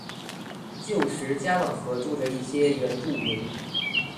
旧时加冷河住着一些原住民。